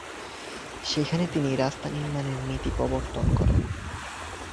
সেখানে তিনি রাস্তা নির্মাণের নীতি প্রবর্তন করেন।